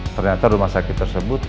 ternyata rumah sakit tersebut